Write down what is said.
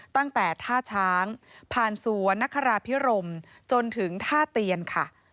ตั้งแต่ท่าช้างผ่านสวนนคราพิรมจนถึงท่าเตียนค่ะ